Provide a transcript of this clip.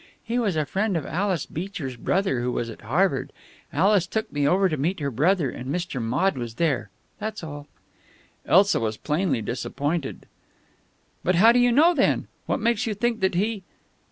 He was a friend of Alice Beecher's brother, who was at Harvard. Alice took me over to meet her brother, and Mr. Maude was there. That's all." Elsa was plainly disappointed. "But how do you know, then ? What makes you think that he